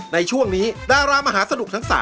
ในช่วงนี้ดารามหาสนุกทั้ง๓